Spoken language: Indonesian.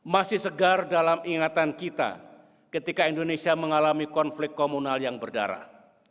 masih segar dalam ingatan kita ketika indonesia mengalami konflik komunal yang berdarah